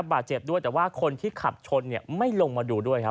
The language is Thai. บาดเจ็บด้วยแต่ว่าคนที่ขับชนเนี่ยไม่ลงมาดูด้วยครับ